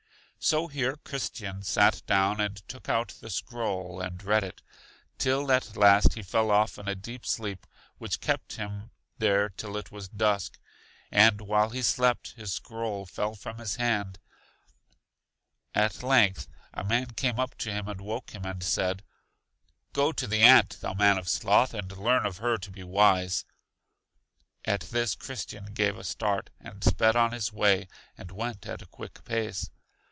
So here Christian sat down, and took out the scroll and read it, till at last he fell off in a deep sleep which kept him there till it was dusk; and while he slept his scroll fell from his hand. At length a man came up to him and woke him, and said: Go to the ant, thou man of sloth, and learn of her to be wise. At this Christian gave a start, and sped on his way, and went at a quick pace.